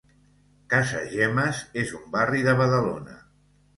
Casagemes és un barri de Badalona.